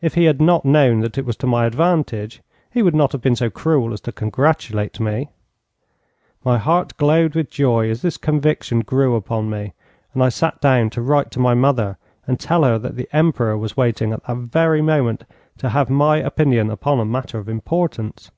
If he had not known that it was to my advantage, he would not have been so cruel as to congratulate me. My heart glowed with joy as this conviction grew upon me, and I sat down to write to my mother and to tell her that the Emperor was waiting, at that very moment, to have my opinion upon a matter of importance.